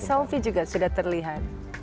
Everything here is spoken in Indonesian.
salvi juga sudah terlihat